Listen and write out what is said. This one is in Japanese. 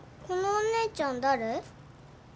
このお姉ちゃん誰？